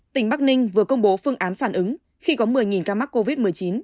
tỉnh bắc ninh vừa công bố phương án phản ứng khi có một mươi ca mắc covid một mươi chín